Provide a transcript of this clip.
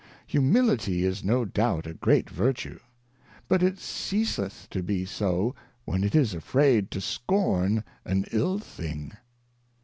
Humility is no doubt a great Vertue ; but it ceaseth to be so, when it is afraid to' scorn an ill thing.